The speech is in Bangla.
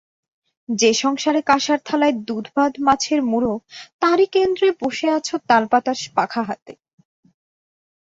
যে-সংসারে কাঁসার থালায় দুধভাত মাছের মুড়ো তারই কেন্দ্রে বসে আছ তালপাতার পাখা হাতে।